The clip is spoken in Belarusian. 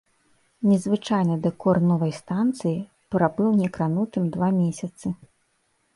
Незвычайны дэкор новай станцыі прабыў некранутым два месяцы.